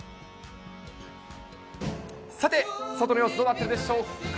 さて、外の様子、どうなっているでしょうか。